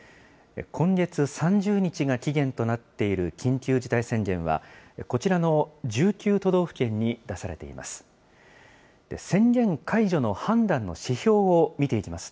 今月３０日が期限となっている緊急事態宣言は、こちらの１９都道府県に出されています。